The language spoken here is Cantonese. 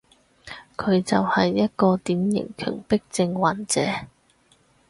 佢就係一個典型強迫症患者